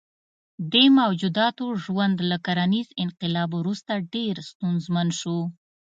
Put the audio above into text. دې موجوداتو ژوند له کرنیز انقلاب وروسته ډېر ستونزمن شو.